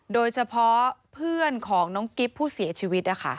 โดยเฉพาะเพื่อนของน้องกิ๊บผู้เสียชีวิต